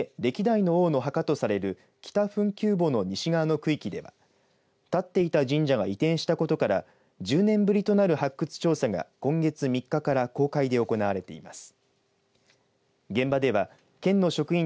遺跡の一角で歴代の王の墓とされる北墳丘墓の西側の区域では建っていた神社が移転していることから１０年ぶりとなる発掘調査が今月３日から公開で行われています。